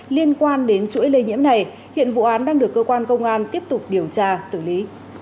liên quan đến chuỗi lây nhiễm này hiện vụ án đang được cơ quan công an tiếp tục điều tra xử lý